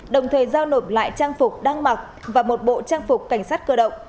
đồng thời giao nộp lại trang phục đăng mặc và một bộ trang phục cảnh sát cơ động